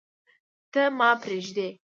ته، ما پریږدې